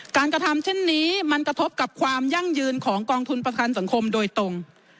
กระทำเช่นนี้มันกระทบกับความยั่งยืนของกองทุนประกันสังคมโดยตรง